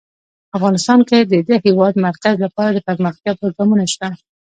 افغانستان کې د د هېواد مرکز لپاره دپرمختیا پروګرامونه شته.